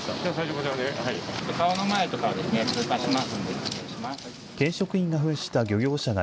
顔の前とか通過します。